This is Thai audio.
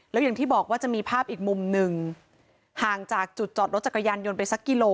แล้วอย่างที่บอกว่าจะมีภาพอีกมุมหนึ่งห่างจากจุดจอดรถจักรยานยนต์ไปสักกิโล